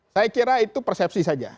saya kira itu persepsi saja